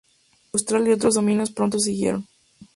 Australia y otros dominios pronto siguieron.